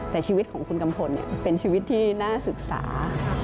แต่ชีวิตของคุณกัมพลเป็นชีวิตที่น่าศึกษา